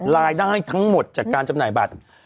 รายได้ทั้งหมดจากการจำหน่ายบัตร